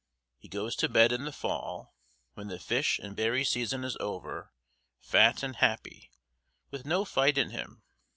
He goes to bed in the fall, when the fish and berry season is over, fat and happy, with no fight in him.